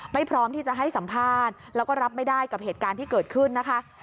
พร้อมที่จะให้สัมภาษณ์แล้วก็รับไม่ได้กับเหตุการณ์ที่เกิดขึ้นนะคะ